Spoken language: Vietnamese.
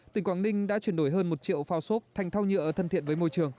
tỉnh quảng ninh đã chuyển đổi hơn một triệu phao sốt thành thao nhựa thân thiện với môi trường